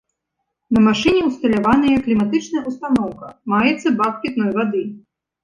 На машыне ўсталяваныя кліматычная ўстаноўка, маецца бак пітной вады.